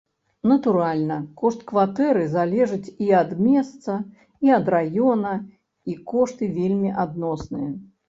Натуральна, кошт кватэры залежыць і ад месца, і ад раёна, і кошты вельмі адносныя.